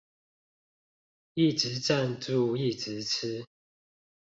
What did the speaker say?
一直贊助一直吃